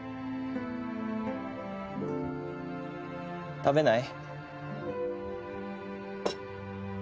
食べない？